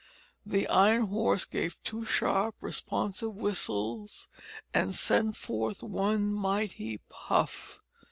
The iron horse gave two sharp responsive whistles, and sent forth one mighty puff.